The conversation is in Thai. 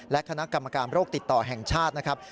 และคณะกรรมการโรคติดต่อแห่งชาตินะครับ